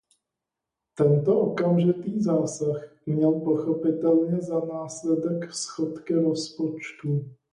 Tento okamžitý zásah měl pochopitelně za následek schodky rozpočtů.